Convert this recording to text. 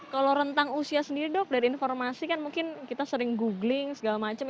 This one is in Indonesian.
kalau rentang usia sendiri dok dari informasi kan mungkin kita sering googling segala macam